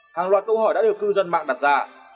hàng loạt câu hỏi đã được cư dân mạng đặt ra